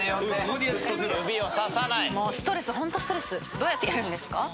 どうやってやるんですか？